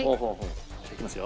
じゃあいきますよ。